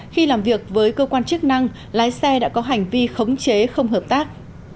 khi làm việc với cơ quan chức năng lái xe đã có hành vi khống chế không hợp tác